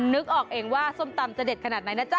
นึกออกเองว่าส้มตำจะเด็ดขนาดไหนนะจ๊